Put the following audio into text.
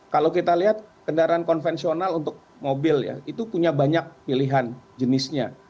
kalau kita lihat kendaraan konvensional untuk mobil ya itu punya banyak pilihan jenisnya